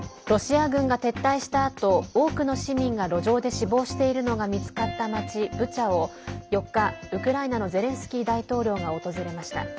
ロシア軍が撤退したあと多くの市民が路上で死亡しているのが見つかった町ブチャを４日、ウクライナのゼレンスキー大統領が訪れました。